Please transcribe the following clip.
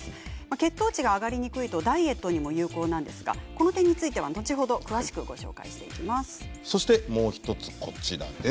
血糖値が上がりにくいとダイエットにも有効なんですがこの点については、後ほど詳しくご紹介していきます。